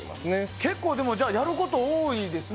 結構やることが多いですね。